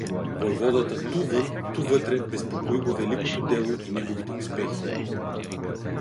Войводата ту вън, ту вътре, безпокои го великото дело и неговите успехи.